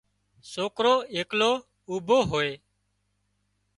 سوڪرو ايڪلو اوڀو هوئي